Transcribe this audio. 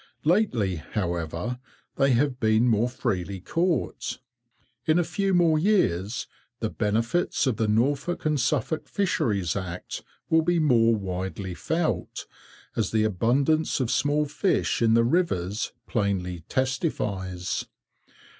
Lately, however, they have been more freely caught. In a few more years the benefits of the Norfolk and Suffolk Fisheries Act will be more widely felt, as the abundance of small fish in the rivers plainly testifies.